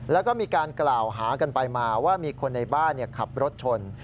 แล้วก็มีการกล่าวหากันไปมาว่ามีคนในบ้านขับรถชน